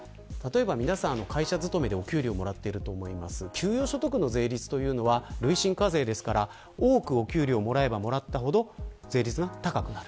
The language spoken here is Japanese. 会社勤めでお給料もらっていると思いますが給与所得の税率は累進課税ですから多くお給料をもらえばもらったほど税率が高くなる。